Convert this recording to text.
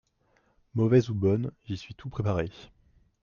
Mauvaise ou bonne, j'y suis tout préparé.